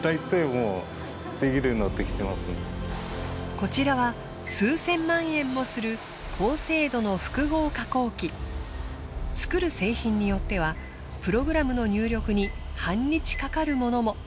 こちらは数千万円もする作る製品によってはプログラムの入力に半日かかるものも。